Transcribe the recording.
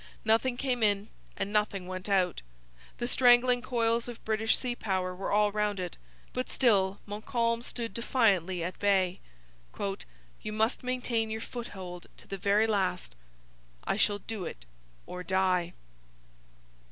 Nothing came in and nothing went out. The strangling coils of British sea power were all round it. But still Montcalm stood defiantly at bay. 'You must maintain your foothold to the very last.' 'I shall do it or die.'